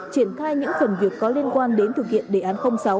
triển khai những phần việc có liên quan đến thực hiện đề án sáu